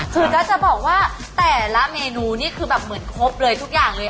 คือถ้าจะบอกว่าแต่ละเมนูนี่คือแบบเหมือนครบเลยทุกอย่างเลย